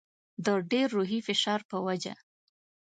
د ډېر روحي فشار په وجه.